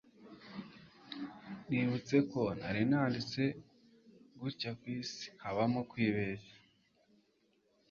nibuka ko nari nanditse gutyakwisi habamo kwibeshya